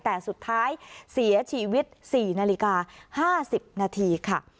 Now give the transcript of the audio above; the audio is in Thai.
แต่สุดท้ายเสียชีวิตสี่นาฬิกาห้าสิบนาทีค่ะ